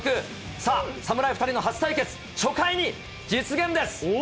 さあ、侍２人の初対決、初回に実現です。